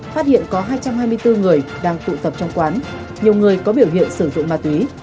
phát hiện có hai trăm hai mươi bốn người đang tụ tập trong quán nhiều người có biểu hiện sử dụng ma túy